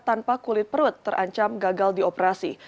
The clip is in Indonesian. tanpa kulit perut terancam gagal di operasi